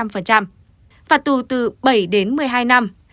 phạt tù từ bảy đến một mươi hai năm